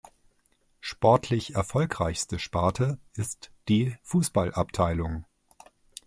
Sportlich erfolgreichste Sparte ist die Fußballabteilung.